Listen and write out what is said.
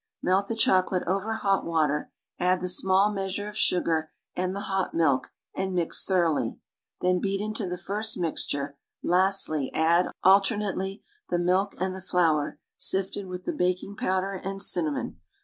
Melt the chocolate over hot water; add the small measure of sugar and the hot milk and mi\ thoroughly, then beat into tlie first mixture; lastl,\' add, alter nately, the milk and the flour sifted with the baking powder and cinnamon.